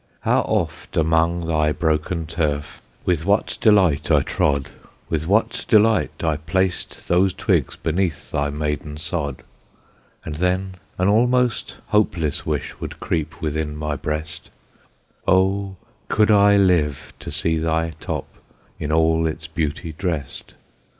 How oft among thy broken turf With what delight I trod, With what delight I placed those twigs Beneath thy maiden sod. And then an almost hopeless wish Would creep within my breast, Oh! could I live to see thy top In all its beauty dress'd.